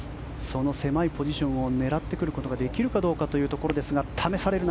その狭いポジションを狙ってくることができるかどうかですが試される